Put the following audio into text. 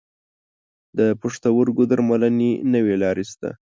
د پښتورګو درملنې نوي لارې شته.